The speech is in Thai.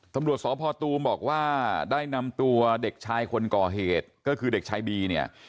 ตำรวจสพตูมบอกว่าได้นำตัวเด็กชายคนก่อเหตุก็คือเด็กชายบีเนี่ย